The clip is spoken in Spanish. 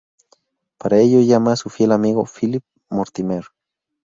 Para ello llama a su fiel amigo Philip Mortimer.